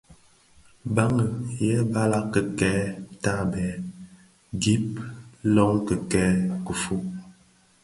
Bàng yêê balag kikèèkel tààbêê, gib lóng kikèèkel kifôg.